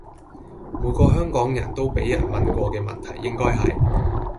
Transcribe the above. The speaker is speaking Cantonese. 每個香港人都畀人問過嘅問題應該係